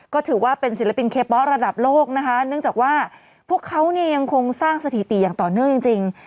ก็ถือว่าเป็นศิลปินเคเป๊ะระดับโลกนะคะเนื่องจากว่าพวกเขาเนี่ยยังคงสร้างสถิติอย่างต่อเนื่องจริง